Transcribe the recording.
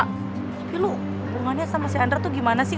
tapi lu hubungannya sama si hendra tuh gimana sih